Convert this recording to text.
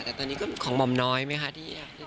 แต่ตอนนี้ก็ของหม่อมน้อยไหมคะที่